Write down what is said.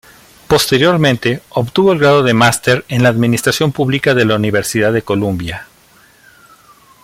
Posteriormente, obtuvo el grado de Máster en Administración Pública de la Universidad de Columbia.